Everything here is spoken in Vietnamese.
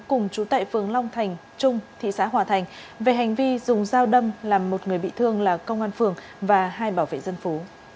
cùng chú tại phường long thành trung thị xã hòa thành về hành vi dùng dao đâm làm một người bị thương là công an phường và hai bảo vệ dân phố